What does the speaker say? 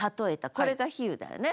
これが比喩だよね。